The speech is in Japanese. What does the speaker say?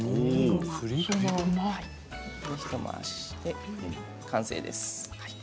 ひと回しして、完成です。